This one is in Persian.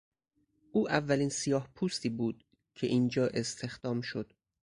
او اولین سیاهپوستی بود که اینجا استخدام شد.